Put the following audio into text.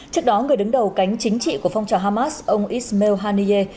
trước đó người đứng đầu cánh chính trị của phong trào hamas ông ismail haniye